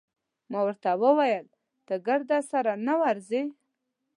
ما ورته وویل: ته ګرد سره نه ورځې؟